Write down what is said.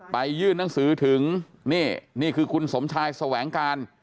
ยื่นหนังสือถึงนี่นี่คือคุณสมชายแสวงการ